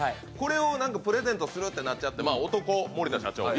これを何かプレゼントするってなっちゃってまあ男森田社長